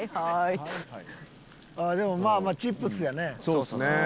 ああでもまあまあチップスやね。